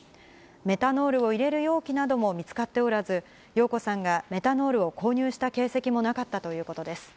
メタノールを入れる容器なども見つかっておらず、容子さんがメタノールを購入した形跡もなかったということです。